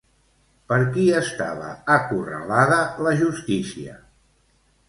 Per qui estava acorralada la Justícia?